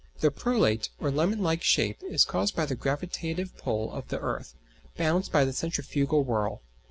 The prolate or lemon like shape is caused by the gravitative pull of the earth, balanced by the centrifugal whirl.